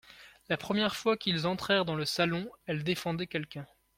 La première fois qu'ils entrèrent dans le salon, elle défendait quelqu'un.